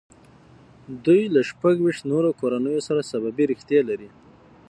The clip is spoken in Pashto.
دوی له شپږ ویشت نورو کورنیو سره سببي رشتې لري.